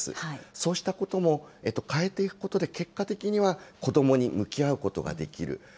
そうしたことも変えていくことで、結果的には子どもに向き合うことができる。